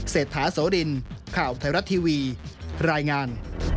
เศรษฐาโสรินข่าวไทยรัฐทีวีรายงาน